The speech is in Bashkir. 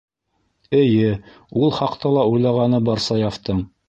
Эйе, ул хаҡта ла уйлағаны бар Саяфтың.